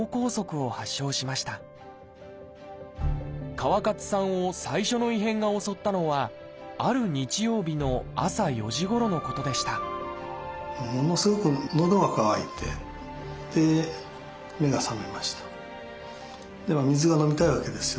川勝さんを最初の異変が襲ったのはある日曜日の朝４時ごろのことでしたものすごく水が飲みたいわけですよ